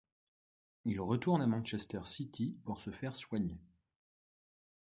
Il retourne à Manchester City pour se faire soigner.